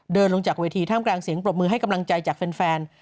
เดินลงจากเวทีท่ามกลางเสียงปรบมือให้กำลังใจจากแฟน